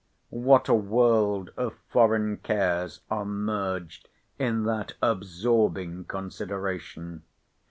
What a world of foreign cares are merged in that absorbing consideration!